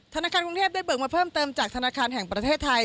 ธนาคารกรุงเทพได้เบิกมาเพิ่มเติมจากธนาคารแห่งประเทศไทย